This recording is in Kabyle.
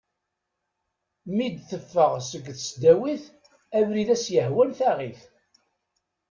Mi d-teffeɣ seg tesdawit, abrid i as-yehwan taɣ-it.